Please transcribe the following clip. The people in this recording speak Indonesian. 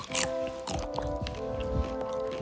terima kasih tuhan maria mendapatkannya